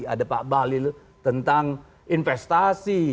ada pak bahlil tentang investasi